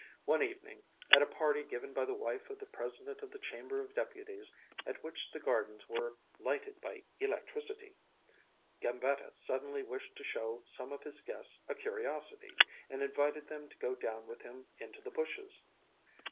One evening, at a party given by the wife of the President of the Chamber of Deputies, at which the gardens were lighted by electricity, Gambetta suddenly wished to show some of his guests a curiosity, and invited them to go down with him into the bushes.